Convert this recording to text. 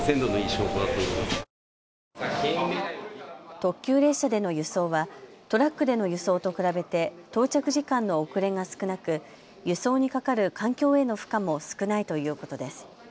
特急列車での輸送はトラックでの輸送と比べて到着時間の遅れが少なく輸送にかかる環境への負荷も少ないということです。